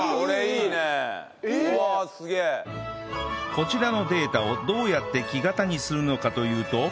こちらのデータをどうやって木型にするのかというと